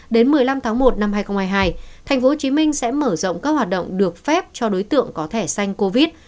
đến một mươi năm tháng một năm hai nghìn hai mươi hai tp hcm sẽ mở rộng các hoạt động được phép cho đối tượng có thẻ xanh covid